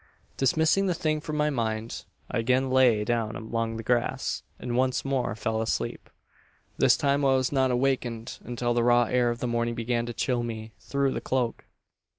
"Dismissing the thing from my mind, I again lay down along the grass; and once more fell asleep. "This time I was not awakened until the raw air of the morning began to chill me through the cloak.